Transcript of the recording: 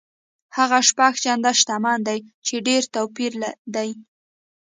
هغه شپږ چنده شتمن دی چې ډېر توپیر دی.